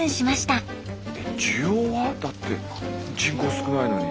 だって人口少ないのに。